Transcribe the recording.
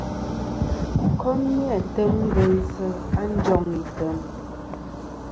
Kom ni-a tem gveynsɨ̀ a njoŋ item.